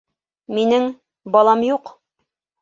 Минең... балам юҡ!